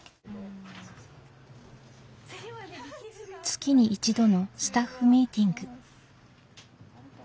月に１度のスタッフミーティング。